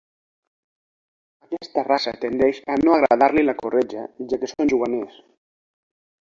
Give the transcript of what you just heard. Aquesta raça tendeix a no agradar-li la corretja, ja que són juganers.